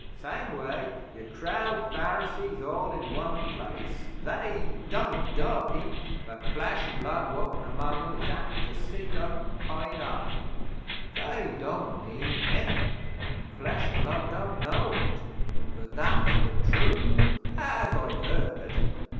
Same way, you crowd Pharisees all in one place they don't die, but Flesh an' Blood walkin' among 'em is apt to sick up an' pine off. They don't mean it, an' Flesh an' Blood don't know it, but that's the truth as I've heard.